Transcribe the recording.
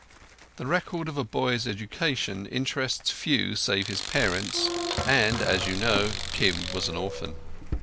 The record of a boy's education interests few save his parents, and, as you know, Kim was an orphan.